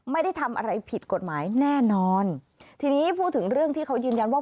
ไม่ได้ทำอะไรผิดกฎหมายแน่นอนทีนี้พูดถึงเรื่องที่เขายืนยันว่า